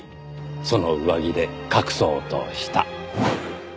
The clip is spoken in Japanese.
その上着で隠そうとした。